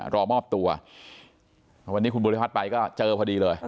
รอมอบตัววันนี้คุณบุริพัฒน์ไปก็เจอพอดีเลย